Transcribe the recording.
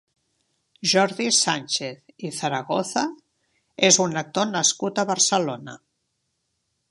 Jordi Sànchez i Zaragoza és un actor nascut a Barcelona.